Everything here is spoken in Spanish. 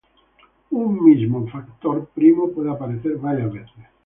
Un mismo factor primo puede aparecer varias veces.